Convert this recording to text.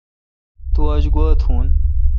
تو آج گوا تھون۔